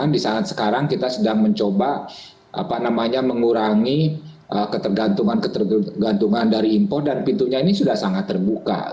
dan sekarang kita sedang mencoba mengurangi ketergantungan ketergantungan dari impor dan pintunya ini sudah sangat terbuka